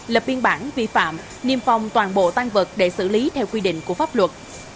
lập biên bản vi phạm niêm phong toàn bộ tan vật để xử lý theo quy định của pháp luật